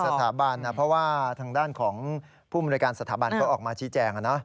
สถาบันนะเพราะว่าทางด้านของผู้มนวยการสถาบันเขาออกมาชี้แจง